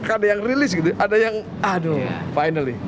ada yang rilis gitu ada yang aduh finally